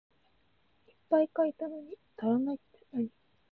いっぱい書いたのに足らないってなに？